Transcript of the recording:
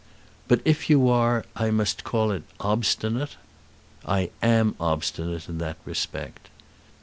"But if you are, I must call it obstinate." "I am obstinate in that respect."